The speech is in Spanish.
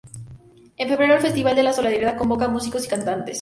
En febrero, el Festival de la Solidaridad convoca a músicos y cantantes.